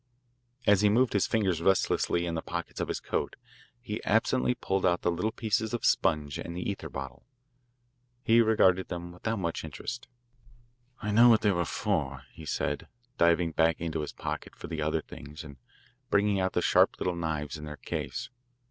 As he moved his fingers restlessly in the pockets of his coat, he absently pulled out the little pieces of sponge and the ether bottle. He regarded them without much interest. "I know what they were for," he said, diving back into his pocket for the other things and bringing out the sharp little knives in their case.